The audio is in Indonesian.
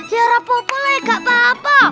ya rapa rapa lah ya gak apa apa